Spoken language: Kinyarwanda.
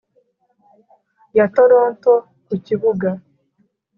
ya toronto ku kibuga